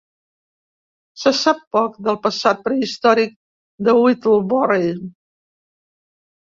Se sap poc del passat prehistòric de Whittlebury.